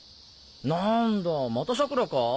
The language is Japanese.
何だまた桜良か？